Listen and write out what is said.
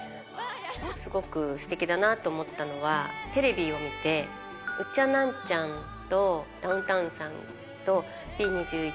すごくすてきだなと思ったのは、テレビを見て、ウッチャンナンチャンと、ダウンタウンさんと、Ｂ２１